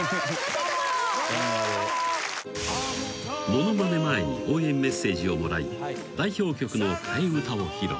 ［ものまね前に応援メッセージをもらい代表曲の替え歌を披露］